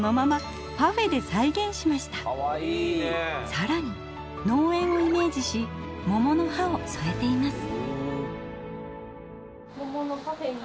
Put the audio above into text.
さらに農園をイメージし桃の葉をそえています。